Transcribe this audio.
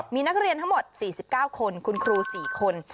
มีนักเรียนทั้งหมด๔๙คนคุณครู๔คน